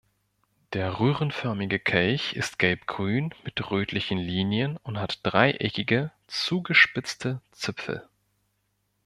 Der röhrenförmige Kelch ist gelbgrün mit rötlichen Linien und hat dreieckige, zugespitzte Zipfel.